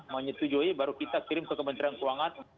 menyetujui baru kita kirim ke kementerian keuangan